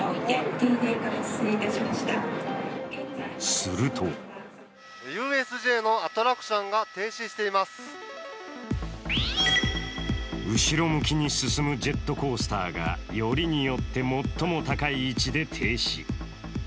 すると後ろ向きに進むジェットコースターがよりによって最も高い位置で停止。